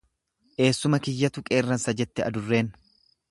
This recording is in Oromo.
Eessuma kiyyatu qeerransa jette adurreen.